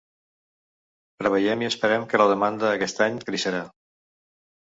Preveiem i esperem que la demanda aquest any creixerà.